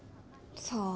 さあ。